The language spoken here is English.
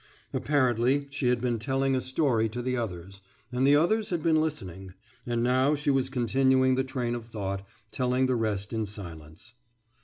Apparently she had been telling a story to the others, and the others had been listening, and now she was continuing the train of thought, telling the rest in silence.